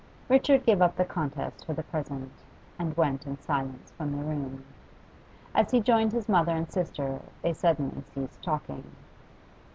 Richard gave up the contest for the present, and went in silence from the room. As he joined his mother and sister they suddenly ceased talking.